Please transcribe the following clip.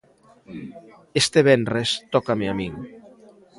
Este venres tócame a min.